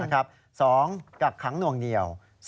กักขังหน่วงเหนียว